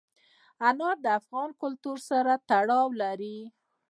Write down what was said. انار د افغان کلتور سره تړاو لري.